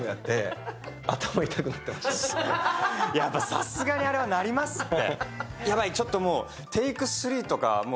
さすがにあれはなりますね。